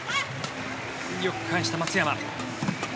よく返した松山。